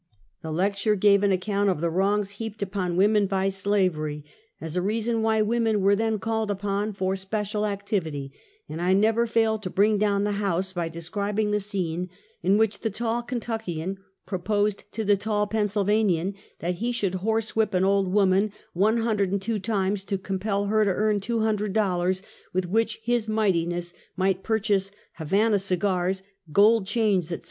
The lecture gave an account of the wrongs heaped upon women by slavery, as a reason why women were then called upon for special activity, and I never failed to " bring down the house " by describing the scene in which the tall Kentuckiau proposed to the tall Pennsylvanian that he should horsewhip an old wom an one hundred and two times, to compel her to earn two hundred dollars with which his mightiness might purchase Havana cigars, gold chains, etc.